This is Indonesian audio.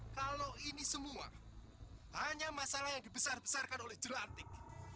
kalau ini semua hanya masalah yang dibesar besarkan oleh jurantik